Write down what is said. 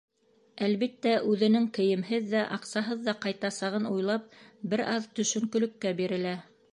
Әлбиттә, үҙенең кейемһеҙ ҙә, аҡсаһыҙ ҙа ҡайтасағын уйлап, бер аҙ төшөнкөлөккә бирелә.